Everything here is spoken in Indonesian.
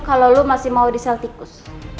kalau lo masih mau di sel tikus